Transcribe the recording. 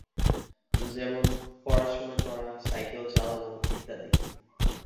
যেমনঃ পড়াশোনা করা, সাইকেল চালানো ইত্যাদি।